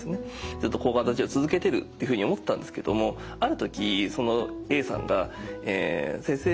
ずっと抗がん剤治療を続けてるっていうふうに思ってたんですけどもある時そのＡさんが「先生。